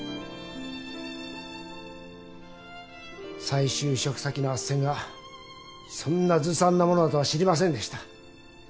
再就職先の斡旋がそんなずさんなものだとは知りませんでした。